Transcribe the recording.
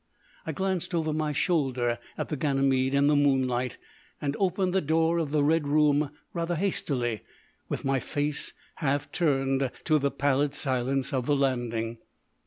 I glanced over my shoulder at the Ganymede in the moonlight, and opened the door of the red room rather hastily, with my face half turned to the pallid silence of the landing.